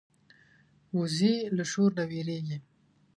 وزې له شور نه وېرېږي